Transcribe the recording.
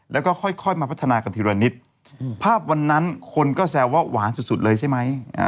แล้วก็ค่อยค่อยมาพัฒนากับธิรณิตภาพวันนั้นคนก็แซวว่าหวานสุดสุดเลยใช่ไหม